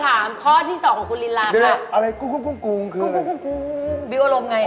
๑๐๐บาทเลยหรือไง